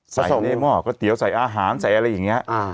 ใส่กระเตี๋ยวใส่อาหารใส่อะไรอย่างนี้